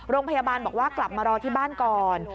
โรงพยาบาลบอกว่ากลับมารอที่บ้านก่อน